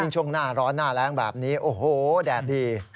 ช่วงหน้าร้อนหน้าแรงแบบนี้โอ้โหแดดดี